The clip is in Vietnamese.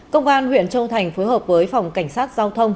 công an huyện châu thành phối hợp với phòng cảnh sát giao thông